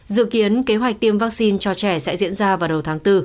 dự kiến kế hoạch tiêm vaccine cho trẻ sẽ diễn ra vào đầu tháng bốn